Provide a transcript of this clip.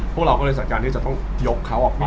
พวกเราก็เลยสั่งการที่จะต้องยกเขาออกมา